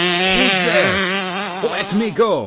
'Who's there? let me go!